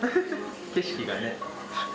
景色がね。